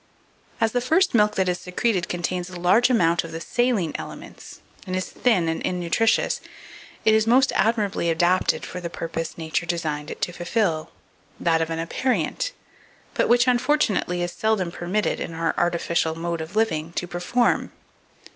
2480. As the first milk that is secreted contains a large amount of the saline elements, and is thin and innutritious, it is most admirably adapted for the purpose Nature designed it to fulfil, that of an aperient; but which, unfortunately, it is seldom permitted, in our artificial mode of living, to perform.